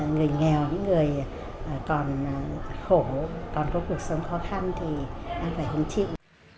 người nghèo những người còn khổ còn có cuộc sống khó khăn thì đang phải hứng chịu